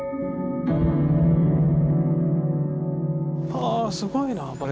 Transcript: ああすごいなこれ。